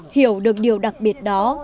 hiểu được điều đặc biệt đó